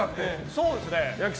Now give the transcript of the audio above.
そうですね。